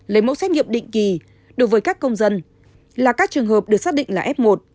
lấy mẫu xét nghiệm định kỳ đối với các công dân là các trường hợp được xác định là f một